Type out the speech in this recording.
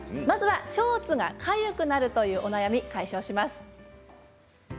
まずはショーツがかゆくなるというお悩み解消します。